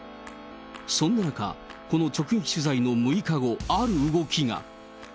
そんな中、この直撃取材の６日後、ある動きが。